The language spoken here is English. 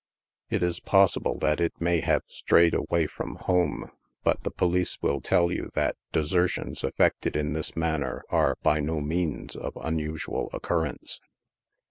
It is possible that it may have strayed away from home, but the police will tell you that desertions effected in this manner ore, by no means, of unusual occurrence.